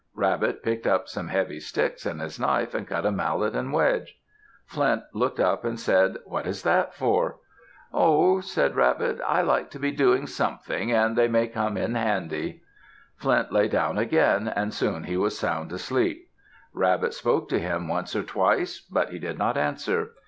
Rabbit picked up some heavy sticks and his knife, and cut a mallet and wedge. Flint looked up and said, "What is that for?" "Oh," said Rabbit, "I like to be doing something and they may come in handy." Flint lay down again and soon he was sound asleep. Rabbit spoke to him once or twice, but he did not answer.